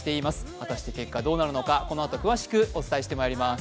果たして結果どうなるのか、このあと詳しくお伝えしていきます。